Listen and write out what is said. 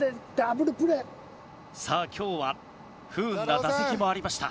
さあ今日は不運な打席もありました。